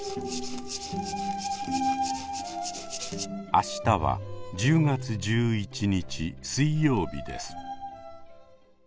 明日は１０月１１日水曜日です。